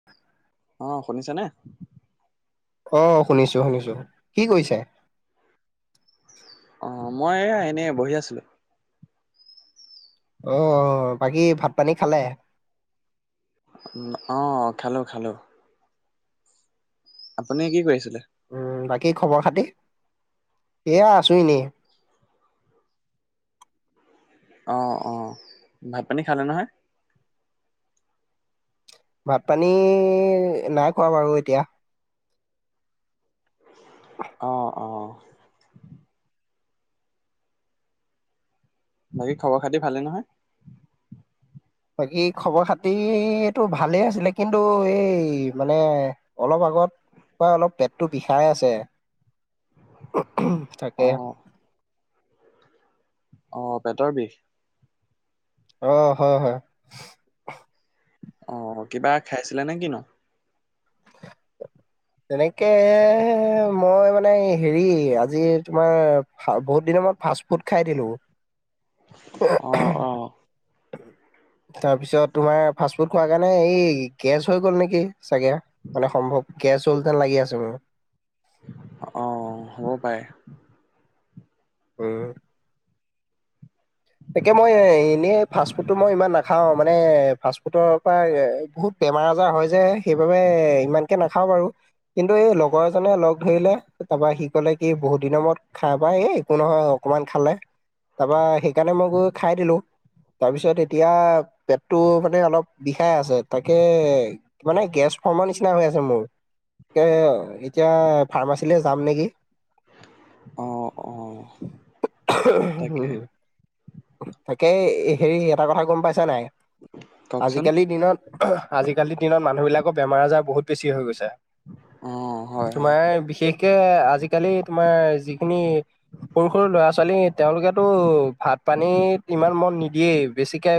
[unintelligible] অ' শুনিছানে? অ' শুনিছোঁ শুনিছোঁ। কি কৰিছে? অ', মই এইয়া এনে বহি আছিলোঁ। অ', বাকী ভাত পানী খালে? অ', খালোঁ, খালোঁ। আপুনি কি কৰি আছিলে? উম, বাকী খবৰ খাতি? এয়া আছোঁ এনে। [unintelligible] অ', অ', ভাত পানী খালে নহয়? ভাত পানী নাই খোৱা বাৰু এতিয়া। অ', অ'। বাকী খবৰ খাতি ভালে নহয়? বাকী খবৰ খাতিটো ভালেই আছিলে, কিন্তু এই মানে অলপ আগতপা অলপ, পেটটো বিষাই আছে। তাকে। অ অ', পেটৰ বিষ। অ', হয়, হয়। অ', কিবা খাইছিলে নে কি নো? তেনেকে মই মানে হেৰি আজি তোমাৰ বহুত দিনৰ মান ফাষ্ট ফুড খাই দিলোঁ। অ অ [unintelligible] তাৰপিছত তোমাৰ ফাষ্টফুড খোৱাৰ কাৰণে এই গেছ হৈ গ'ল নেকি? চাগে, মানে সম্ভৱ গেছ হ'ল যেন লাগি আছে মোৰ। অ', হ'ব পাৰে। উম। তাকে মই এনেই, ফাষ্টফুডটো মই ইমান নাখাওঁ। মানে ফাষ্টফুডৰ পৰা বহুত বেমাৰ-আজাৰ হয় যে, সেইবাবে ইমানকে নাখাওঁ বাৰু কিন্তু, এই লগৰ এজনে লগ ধৰিলে, তাৰপৰা সি ক'লে কি, বহুত দিনৰ মূৰত খাবা এই, একো নহয় অকণমান খালে, তাৰপৰা সেইকাৰণে মই গৈ খাই দিলো। তাৰপিছত, এতিয়া পেটটো মানে অলপ বিষাই আছে। তাকে মানে, গেছ ফৰ্মৰ নিচিনা হৈ আছে মোৰ। কে, এতিয়া ফাৰ্মাচীলৈ যাম নেকি? অ', অ', তাকে তাকেই হেৰি, এটা কথা গম পাইছা নাই? কওকচোন? আজিকালিৰ দিনত আজিকালিৰ দিনত মানুহবিলাকৰ বেমাৰ-আজাৰ বহুত বেছি হৈ গৈছে। অ হয় হয় তোমাৰ বিশেষকে, আজিকালি তোমাৰ, যি খিনি, সৰু-সৰু, ল'ৰা-ছোৱালী, তেওঁলোকেতো ভাত পানীত, ইমান মন নিদিয়েই, বেছিকে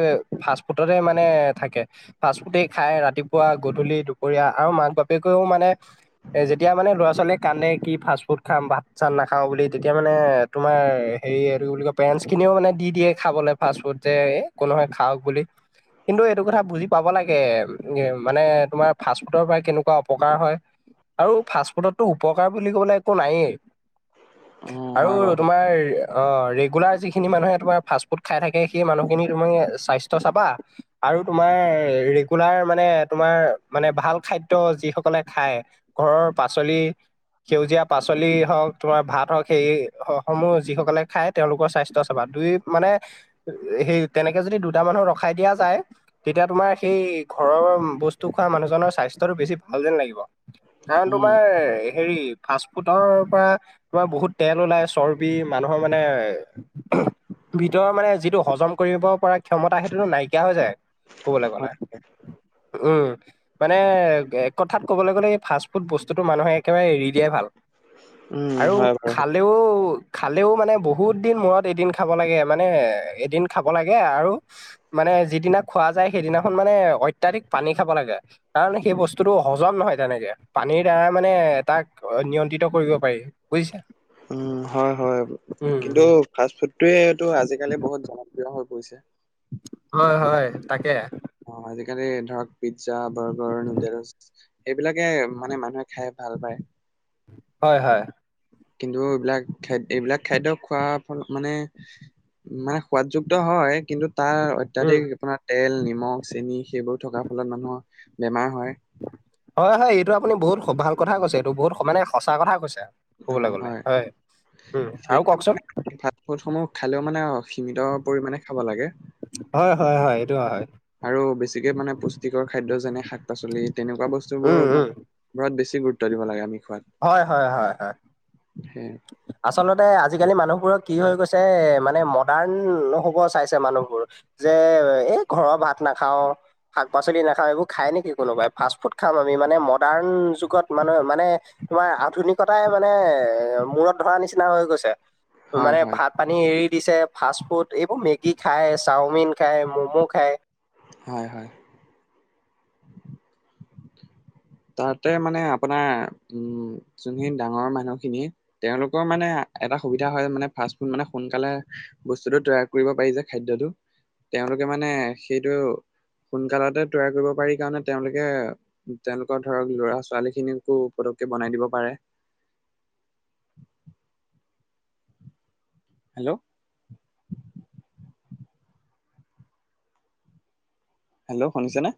ফাষ্টফুডতে মানে থাকে ফাষ্টফুডে খাই ৰাতিপুৱা, গধূলি, দুপৰীয়া, আৰু মাক-বাপেকেওঁ মানে এ, যেতিয়া মানে ল'ৰা-ছোৱালীয়ে কান্দে কি, ফাষ্টফুড খাম, ভাত-চাত নাখাওঁ বুলি, তেতিয়া মানে তোমাৰ হেৰি, এইটো কি বুলি কয়, পেৰেণ্টছখিনিও মানে দি দিয়ে খাবলৈ, ফাষ্টফুড যে, এ, একো নহয়, খাওক বুলি, কিন্তু এইটো কথা বুজি পাব লাগে নে, মানে, তোমাৰ ফাষ্টফুডৰ পৰা কেনেকুৱা অপকাৰ হয় আৰু ফাষ্টফুডতটো উপকাৰ বুলি ক'বলৈ একো নায়েই। উম আৰু হয় বাৰু সেইটো তোমাৰ অ', ৰেগুলাৰ যিখিনি মানুহে তোমাৰ, ফাষ্টফুড খাই থাকে, সেই মানুহখিনিৰ তুমি স্বাস্থ্য চাবা আৰু তোমাৰ, ৰেগুলাৰ মানে, তোমাৰ মানে, ভাল খাদ্য যিসকলে খায় ঘৰৰ পাচলি সেউজীয়া পাচলি হওক, তোমাৰ ভাত হওক, সেইসমূহ যিসকলে খায়, তেওঁলোকৰ স্বাস্থ্য চাবা। দুই মানে, সেই তেনেকে যদি দুটা মানুহক ৰখাই দিয়া যায় তেতিয়া তোমাৰ সেই, ঘৰৰ বস্তু খোৱা মানুহজনৰ স্বাস্থ্যটো বেছি ভাল যেন লাগিব। কাৰণ উম তোমাৰ, হেৰি ফাষ্টফুডৰ পৰা তোমাৰ বহুত তেল ওলাই, চৰ্বি, মানুহৰ মানে ভিতৰৰ মানে, যিটো হজম কৰিব পৰা ক্ষমতা সেইটোতো নাইকিয়া হৈ যায় ক'বলৈ গ'লে, হয় উম। মানে, এক কথাত ক'বলৈ গ'লে, এই ফাষ্টফুড বস্তুটো মানুহে একেবাৰে এৰি দিয়াই ভাল। উম আৰু হয় বাৰু সেইটো। খালেও, খালেও মানে, বহুত দিন মূৰত এদিন খাব লাগে, মানে এদিন খাব লাগে, আৰু মানে যিদিনা খোৱা যায়, সেইদিনাখন মানে অত্যাধিক পানী খাব লাগে। কাৰণ সেই বস্তুটো হজম নহয় তেনেকে, পানীৰ দ্বাৰা মানে, তাক নিয়ন্ত্ৰিত কৰিব পাৰি। বুজিছে উম, হয়, হয়। উম কিন্তু উম ফাষ্টফুডটোৱেইটো আজিকালি বহুত জনপ্ৰিয় হৈ পৰিছে। হয়, হয়, তাকে অ', আজিকালি ধৰক, পিজ্জা, বাৰ্গাৰ, নুডলছ এইবিলাকে মানে, মানুহে খাই ভাল পায়। হয়, হয়। কিন্তু, এইবিলাক খাদ্য, এইবিলাক খাদ্য খোৱাৰ ফল মানে মানে সোৱাদযুক্ত হয়, কিন্তু তাৰ অত উম অত্যাধিক, আপোনাৰ তেল, নিমখ, চেনি সেইবোৰ থকাৰ ফলত মানুহৰ বেমাৰ হয়। হয় হয়, এইটো আপুনি বহুত ভাল কথা কৈছে, এইটো বহুত মানে সঁচা কথা কৈছে। কবলৈ গলে হয়। উম, আৰু সেই কওকচোন ফাষ্ট ফুডসমূহ খালেও মানে সীমিত পৰিমাণে খাব লাগে। হয় হয় হয়, এইটো হয়। আৰু বেছিকে মানে পুষ্টিকৰ খাদ্য যেনে শাক পাচলি তেনেকুৱা বস্তুবোৰ উম উম মানে বোৰত বেছি গুৰুত্ব দিব লাগে আমি খোৱাত। হয় হয় হয় হয়। [unintelligible] আচলতে আজিকালি মানুহবোৰৰ কি হৈ গৈছে, মানে মডাৰ্ণ হব চাইছে মানুহবোৰ। যে এই ঘৰৰ ভাত নাখাও শাক পাচলি নাখাও এইবোৰ খাই নেকি কোনোবাই, ফাষ্ট ফুড খাম আমি মানে মডাৰ্ণ যুগত মানে-মানে তোমাৰ আধুনিকতাই মানে মূৰত ধৰা নিচিনা হৈ গৈছে হয় মানে হয় ভাত পানী এৰি দিছে, ফাষ্ট ফুড এইবোৰ মেগী খায়, চাওমিন খায়, ম'ম' খায়। হয় হয়। [inaudible] তাহাতে মানে আপোনাৰ উম, যোনখিনি ডাঙৰ মানুহখিনি তেওঁলোকৰ মানে এটা সুবিধা হয় মানে ফাষ্ট ফুড মানে সোনকালে বস্তুটো তৈয়া কৰিব পাৰি যে খাদ্যটো। তেওঁলোকে মানে সেইটো, সোনকালতে তৈয়াৰ কৰিব পাৰি কাৰণে তেওঁলোকে তেওঁলোকৰ ধৰক ল'ৰা ছোৱালী খিনিকো পতককে বনাই দিব পাৰে। হেল্ল'। হেল্ল', শুনিছেনে?